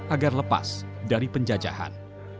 agar lepas dari penjajahan